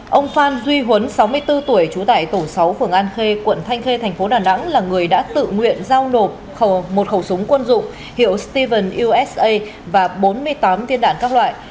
công an phường an khê quận thanh khê thành phố đà nẵng vừa tiếp nhận từ khu dân cư một khẩu súng quân dụng và hơn bốn mươi năm viên đạn các loại